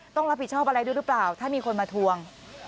ต้องรับผิดชอบอะไรด้วยหรือเปล่าถ้ามีคนมาทวง